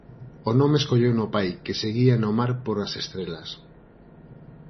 O nome escolleuno o pai que se guía no mar por as estrelas.